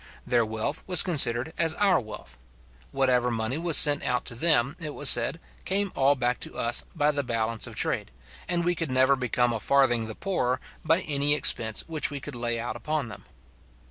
Their wealth was considered as our wealth. Whatever money was sent out to them, it was said, came all back to us by the balance of trade, and we could never become a farthing the poorer by any expense which we could lay out upon them.